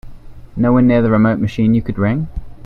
No one near the remote machine you could ring?